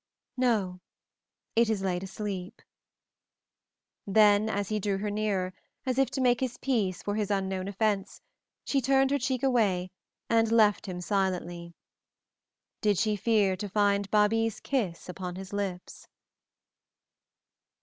"No; it is laid asleep." Then as he drew her nearer, as if to make his peace for his unknown offense, she turned her cheek away and left him silently. Did she fear to find Babie's kiss upon his lips?